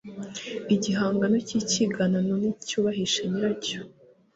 igihangano k'ikiganano nticyubahisha nyiracyo